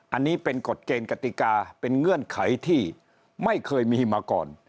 อันนี้เป็นกฎเกณฑ์กติกาเป็นเงื่อนไขที่ไม่เคยมีมาก่อน